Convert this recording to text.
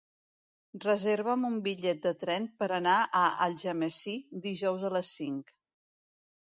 Reserva'm un bitllet de tren per anar a Algemesí dijous a les cinc.